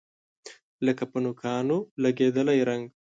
لکه په نوکانو لګیدلی رنګ